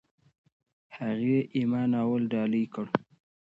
هغې "اِما" ناول ډالۍ کړ.